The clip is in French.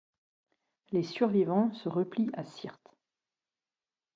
Les survivants se replient à Syrte.